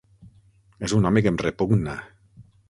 És un home que em repugna.